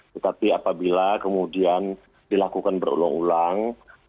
tetapi apabila kemudian dilakukan berulang ulang